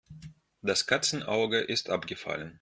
Das Katzenauge ist abgefallen.